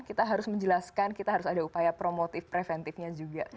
kita harus menjelaskan kita harus ada upaya promotif preventifnya juga